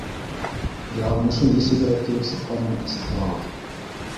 Яҙмышы нисегерәк килеп сыҡҡанын асыҡлағыҙ.